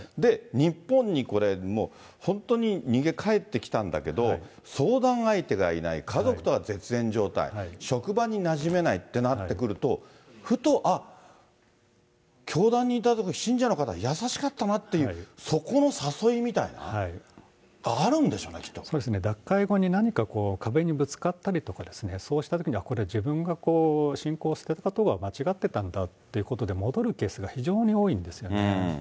日本にこれ、本当に逃げ帰ってきたんだけど、相談相手がいない、家族とは絶縁状態、職場になじめないってなってくると、ふと、ああ、教団にいたとき、信者の方、優しかったなっていうそこの誘いみたいな、あるんでしょうね、そうですね、脱会後に何か壁にぶつかったりとか、そうしたときに、あっ、これ、自分が信仰を捨てることは間違ってたんだということで戻るケースが非常に多いんですね。